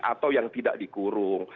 atau yang tidak dikurung